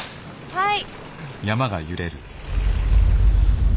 はい。